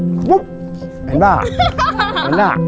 ป๊ามันควรจะขอชอบเล่นมายกร้อนให้หนูดู